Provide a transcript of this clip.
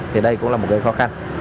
thì đây cũng là một cái khó khăn